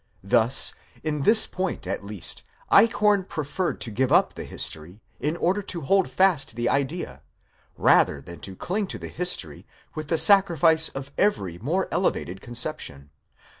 Thus, in this point at least, Eichhorn preferred to give up the history in order to hold fast the idea, rather than to cling to the history with the sacrifice of every more elevated conception.